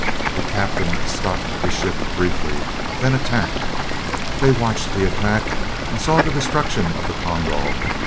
The captain stopped the ship briefly, then attacked. They watched the attack, and saw the destruction of the Kondal.